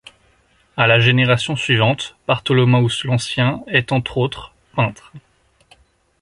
À la génération suivante, Bartholomäus l'Ancien est, entre autres, peintre.